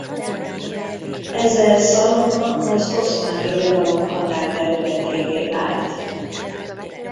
Ezzel Salona az Oszmán Birodalom határterületévé vált.